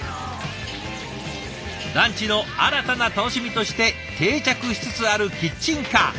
ランチの新たな楽しみとして定着しつつあるキッチンカー。